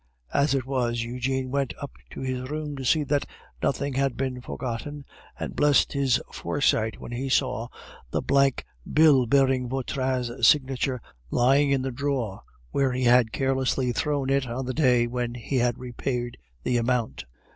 As it was, Eugene went up to his room to see that nothing had been forgotten, and blessed his foresight when he saw the blank bill bearing Vautrin's signature lying in the drawer where he had carelessly thrown it on the day when he had repaid the amount.